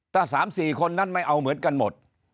ถ้า๓๔คนนั้นไม่เอาเหมือนกันหมด